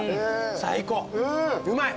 最高うまい！